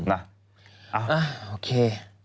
เอ้าโอเค